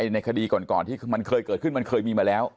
ในคดีก่อนที่มันเคยเกิดขึ้นมันเคยมีมาแล้ว